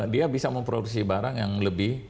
dia bisa memproduksi barang yang lebih